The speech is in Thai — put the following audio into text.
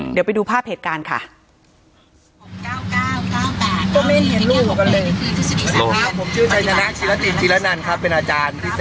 เดี๋ยวไปดูภาพเหตุการณ์ค่ะ